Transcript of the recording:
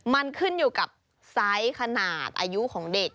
มันขึ้นอยู่กับไซส์ขนาดอายุของเด็ก